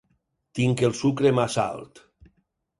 Tinc el sucre massa alt.